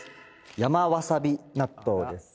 山わさび納豆です。